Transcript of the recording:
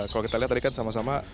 kalau kita lihat tadi kan sama sama